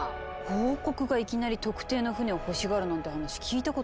王国がいきなり特定の船を欲しがるなんて話聞いたことないんですけど。